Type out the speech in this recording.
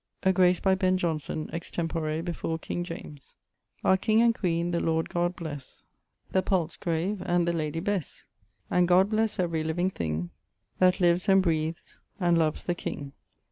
A Grace by Ben Johnson, extempore, before King James. Our King and Queen, the Lord God blesse, The Paltzgrave, and the Lady Besse, And God blesse every living thing That lives, and breath's, and loves the King.